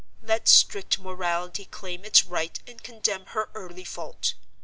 Let strict morality claim its right, and condemn her early fault.